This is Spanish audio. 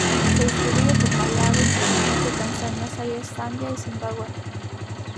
Se distribuye por Malawi, Mozambique, Tanzania, Zaire, Zambia, Zimbabwe.